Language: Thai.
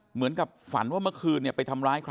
เหมือนกับฝันว่าเมื่อคืนไปทำร้ายใคร